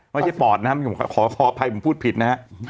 ปอดนะครับขออภัยผมพูดผิดนะฮะ